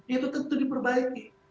itu tentu diperbaiki